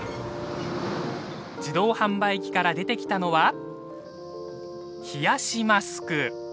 自動販売機から出てきたのは冷やしマスク。